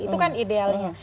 itu kan idealnya